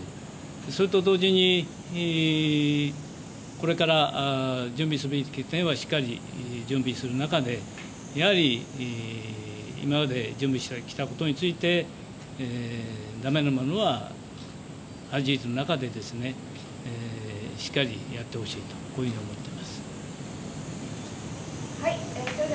それと同時にこれから準備すべき点はしっかり準備する中で、やはり今まで準備してきたことについて事実の中でしっかりやってほしいとこういうふうに思っています。